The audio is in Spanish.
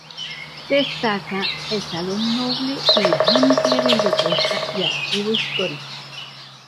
Destaca el salón noble y la amplia biblioteca y archivo histórico.